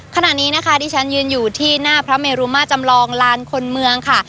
ขณะนี้นะคะที่ฉันยืนอยู่ที่หน้าพระเมรุมาจำลองลานคนเมืองค่ะ